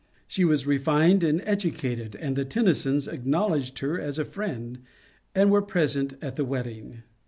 She was refined and educated, and the Tennysons acknowledged her as a friend, and were present at the wedding.